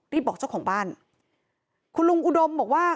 บอกเจ้าของบ้านคุณลุงอุดมบอกว่า